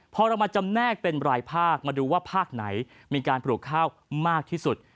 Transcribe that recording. พอเรามาจำแนกเป็นรายภาคมาดูว่าภาคไหนมีการปลูกข้าวมากที่สุด